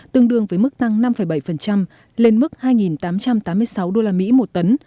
tương đương với mức tăng năm bảy lên mức hai tám trăm tám mươi sáu usd một tấn